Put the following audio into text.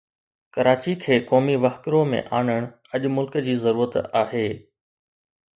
ڪراچي کي قومي وهڪرو ۾ آڻڻ اڄ ملڪ جي ضرورت آهي.